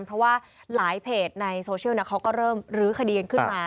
เพราะว่าหลายเพจในโซเชียลเขาก็เริ่มลื้อคดีกันขึ้นมา